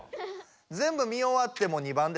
全部見おわっても２番ですか？